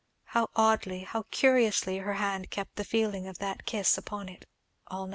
How oddly, how curiously, her hand kept the feeling of that kiss upon it all night.